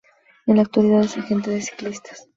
En la actualidad es agente de ciclistas.